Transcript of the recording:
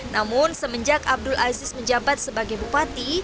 namun semenjak abdul aziz menjabat sebagai bupati